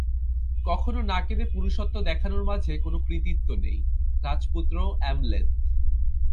কখনও না কেঁদে পুরুষত্ব দেখানোর মাঝে কোনো কৃতিত্ব নেই, রাজপুত্র অ্যামলেথ।